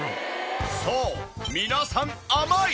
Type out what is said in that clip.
そう皆さん甘い！